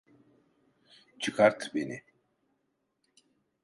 Çıkart beni!